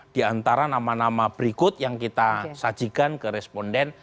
di antara nama nama berikut yang kita sajikan ke responden